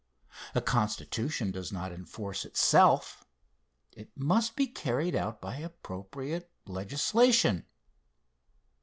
A constitution does not enforce itself. It must be carried out by appropriate legislation.